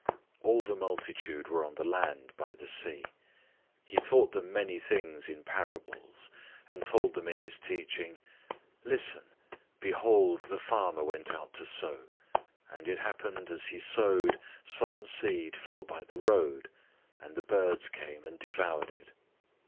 All the multitude were on the land by the sea. 004:002 He taught them many things in parables, and told them in his teaching, 004:003 "Listen! Behold, the farmer went out to sow, 004:004 and it happened, as he sowed, some seed fell by the road, and the birds{TR adds "of the air"} came and devoured it.